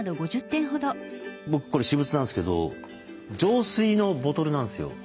僕これ私物なんですけど浄水のボトルなんですよ。